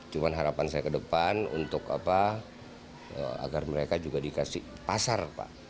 cuma harapan saya ke depan untuk apa agar mereka juga dikasih pasar